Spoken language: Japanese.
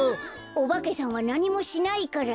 オバケさんはなにもしないから。